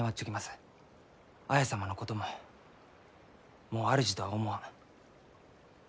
綾様のことももう主とは思わん。